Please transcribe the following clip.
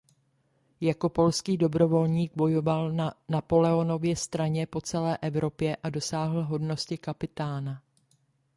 Jako polský dobrovolník bojoval na Napoleonově straně po celé Evropě a dosáhl hodnosti kapitána.